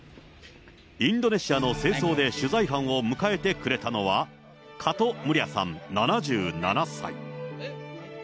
インドネシアの正装で取材班を迎えてくれたのは、カト・ムリャさん７７歳。